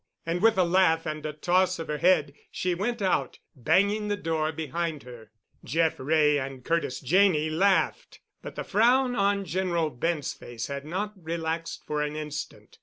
And, with a laugh and a toss of her head, she went out, banging the door behind her. Jeff Wray and Curtis Janney laughed, but the frown on General Bent's face had not relaxed for an instant.